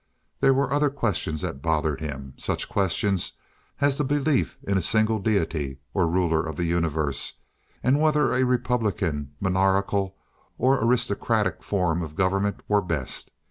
There were other questions that bothered him—such questions as the belief in a single deity or ruler of the universe, and whether a republican, monarchial, or aristocratic form of government were best.